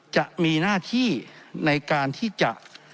จะมีหน้าที่ในการที่จะ